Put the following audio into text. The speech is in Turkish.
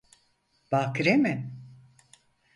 Bakire mi?